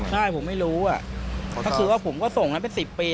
ใช่ผมไม่รู้ก็คือว่าผมก็ส่งนั้นเป็น๑๐ปี